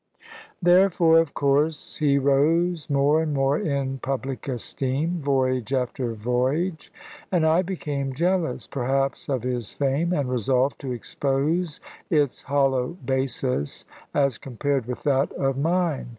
Therefore, of course, he rose more and more in public esteem, voyage after voyage; and I became jealous, perhaps, of his fame, and resolved to expose its hollow basis, as compared with that of mine.